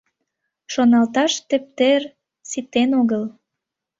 — Шоналташ тептер ситен огыл.